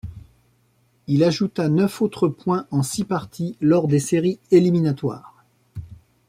Il ajouta neuf autres points en six parties lors des séries éliminatoires.